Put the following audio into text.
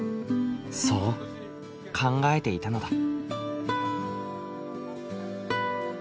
そう考えていたのだ。